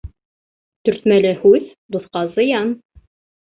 Төртмәле һүҙ дуҫҡа зыян.